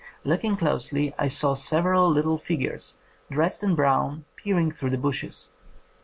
Looking closely, I saw several little figures dressed in brown peering through the bushes.